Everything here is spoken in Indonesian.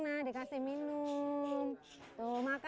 ini dia seneng dikasih minum tuh makasih pina